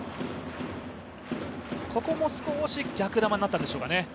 ここも少し逆球になったんでしょうかね。